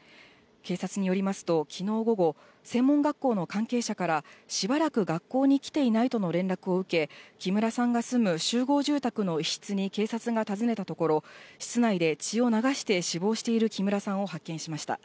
警察によりますと、きのう午後、専門学校の関係者から、しばらく学校に来ていないとの連絡を受け、木村さんが住む集合住宅の一室に警察が訪ねたところ、室内で血を流して死亡している木村さんを発見しました。